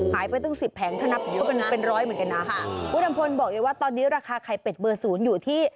ไปตั้งสิบแผงถ้านับก็เป็นเป็นร้อยเหมือนกันนะคุณอำพลบอกเลยว่าตอนนี้ราคาไข่เป็ดเบอร์ศูนย์อยู่ที่